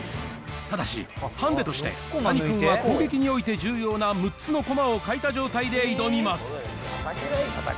ただし、ハンデとして、谷君は攻撃において重要な６つの駒を欠いた状態で挑みます。